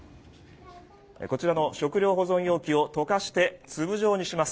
こちらの食料保存容器を溶かして、粒状にします。